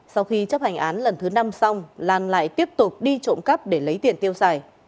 sau khi chấp hành án lần thứ năm xong lan lại tiếp tục đi trộm cắp để lấy tiền tiêu xài